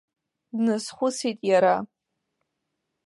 Дназхәыцит иара.